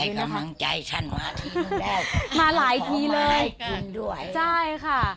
ไมค์ใจกำลังใจฉันมาที่นึงแรกมาหลายทีเลยขอไมค์ให้คุณด้วยใช่ค่ะ